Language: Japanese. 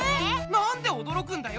なんでおどろくんだよ？